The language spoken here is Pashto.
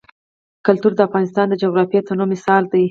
کلتور د افغانستان د جغرافیوي تنوع مثال دی.